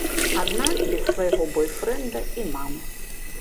Адна, без свайго бойфрэнда і мамы.